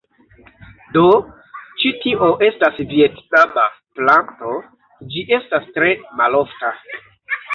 Do, ĉi tio estas vjetnama planto ĝi estas tre malofta